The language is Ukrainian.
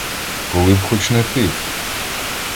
Коли б хоч не тиф!